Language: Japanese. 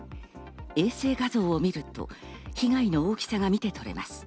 衛星画像を見ると被害の大きさが見て取れます。